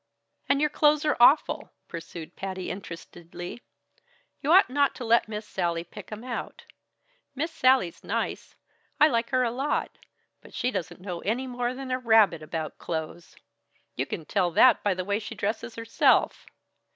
"And your clothes are awful," pursued Patty interestedly. "You ought not to let Miss Sallie pick 'em out. Miss Sallie's nice; I like her a lot, but she doesn't know any more than a rabbit about clothes; you can tell that by the way she dresses herself.